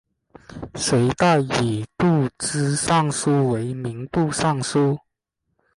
隋代以度支尚书为民部尚书。